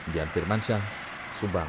dian firmansyah subang